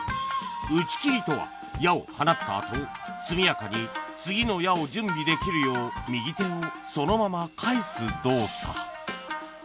とは矢を放った後速やかに次の矢を準備できるよう右手をそのまま返す動作